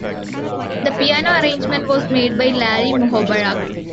The piano arrangement was made by Larry Muhoberac.